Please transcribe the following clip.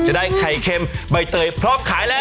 จะได้ไข่เค็มใบเตยพร้อมขายแล้ว